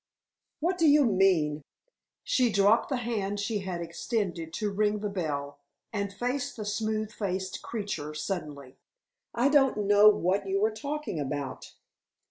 "What do you mean?" She dropped the hand she had extended to ring the bell, and faced the smooth faced creature suddenly. "I don't know what you are talking about."